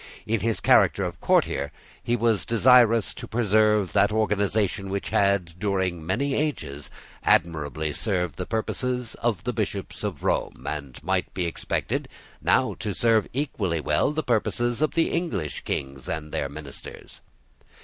In his character of courtier he was desirous to preserve that organisation which had, during many ages, admirably served the purposes of the Bishops of Rome, and might be expected now to serve equally well the purposes of the English Kings and of their ministers.